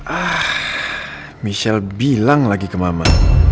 ah michelle bilang lagi ke mama